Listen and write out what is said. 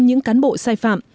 những cán bộ sai phạm